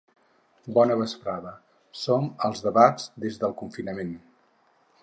Bona vesprada, som als ‘Debats des del confinament’.